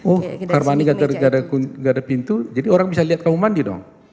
oh kamar mandi tidak ada pintu jadi orang bisa lihat kamu mandi dong